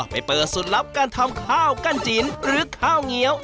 ไปเปิดสูตรลับการทำข้าวกั้นจินหรือข้าวเงี้ยว